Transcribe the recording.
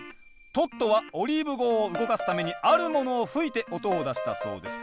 トットはオリーブ号を動かすためにあるものを吹いて音を出したそうです。